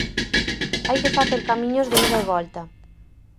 Hai que facer camiños de ida e volta.